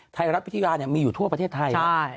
ไทยรัฐวิทยามีอยู่ทั่วประเทศไทย